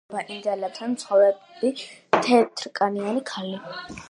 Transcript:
შეუყვარდება ინდიელებთან მცხოვრები თეთრკანიანი ქალი.